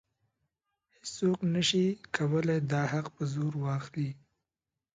هیڅوک نشي کولی دا حق په زور واخلي.